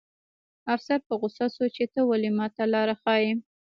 افسر په غوسه شو چې ته ولې ماته لاره ښیې